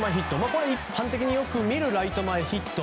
これは一般的によく見るライト前ヒット。